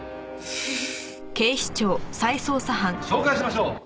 紹介しましょう。